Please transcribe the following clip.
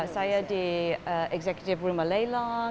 saya di rumah eksekutif lelang